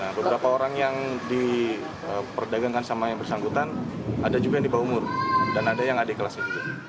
nah beberapa orang yang diperdagangkan sama yang bersangkutan ada juga yang di bawah umur dan ada yang adik kelas itu